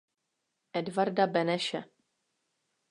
Edvarda Beneše.